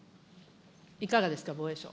いかがですか、防衛省。